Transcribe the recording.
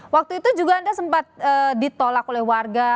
waktu itu juga anda sempat ditolak oleh warga